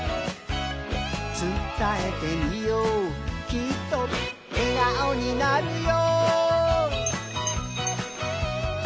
「つたえてみようきっと笑顔になるよ」